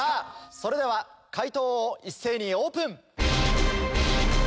それでは解答を一斉にオープン！